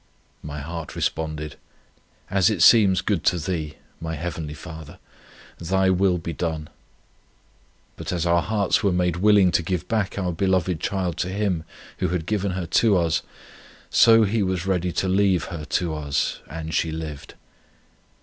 My heart responded, As it seems good to Thee, my Heavenly Father. Thy will be done. But as our hearts were made willing to give back our beloved child to Him who had given her to us, so He was ready to leave her to us, and she lived.